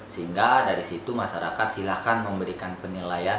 sehingga dari situ masyarakat silakan memberikan pengetahuan